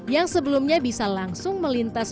yang sebelumnya bisa langsung melintas